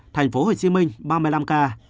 tp hcm ba mươi năm ca